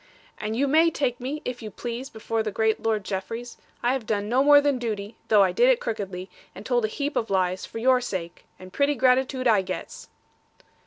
'And you may take me, if you please, before the great Lord Jeffreys. I have done no more than duty, though I did it crookedly, and told a heap of lies, for your sake. And pretty gratitude I gets.'